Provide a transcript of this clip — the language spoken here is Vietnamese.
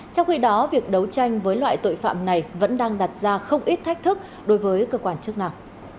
trong khi đó việc đấu tranh với loại tội phạm này vẫn đang đặt ra không ít thách thức đối với cơ quan chức nào